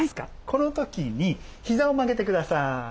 この時にひざを曲げてください。